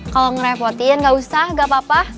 kalau ngerepotin gak usah gak apa apa